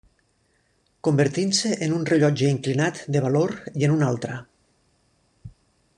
Convertint-se en un rellotge inclinat de valor i en una altra.